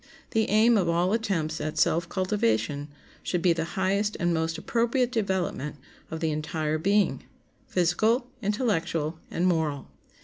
The aim of all attempts at self cultivation should be the highest and most appropriate development of the entire being—physical, intellectual, and moral.